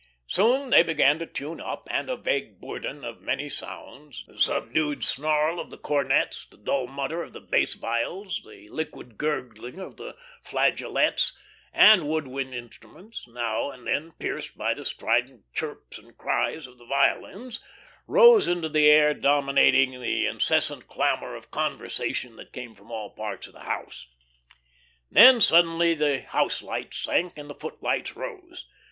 Soon they began to tune up, and a vague bourdon of many sounds the subdued snarl of the cornets, the dull mutter of the bass viols, the liquid gurgling of the flageolets and wood wind instruments, now and then pierced by the strident chirps and cries of the violins, rose into the air dominating the incessant clamour of conversation that came from all parts of the theatre. Then suddenly the house lights sank and the footlights rose.